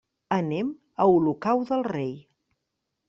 Anem a Olocau del Rei.